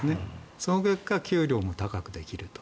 その結果、給料も高くできると。